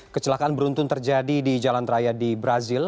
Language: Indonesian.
kecelakaan beruntun terjadi di jalan raya di brazil